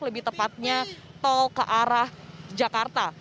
lebih tepatnya tol ke arah jakarta